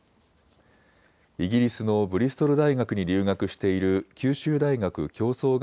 イギリスのブリストル大学に留学している九州大学共創